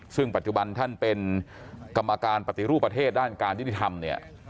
ซึ่งปัจจุบันท่านเป็นกรรมการปฏิรูปประเทศด้านการยุติธรรมเนี่ย